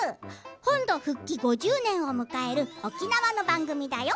本土復帰５０年を迎える沖縄の番組だよ。